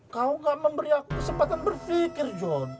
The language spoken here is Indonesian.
kau gak memberi aku kesempatan berpikir john